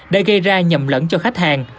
đã gây ra nhầm lẫn cho khách hàng